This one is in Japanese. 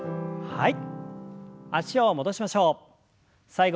はい。